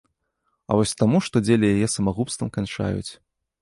А вось таму, што дзеля яе самагубствам канчаюць.